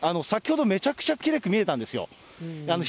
先ほどめちゃくちゃ、きれいに見えたんですよ。